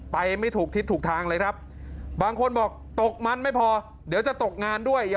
ไม่ถูกทิศถูกทางเลยครับบางคนบอกตกมันไม่พอเดี๋ยวจะตกงานด้วย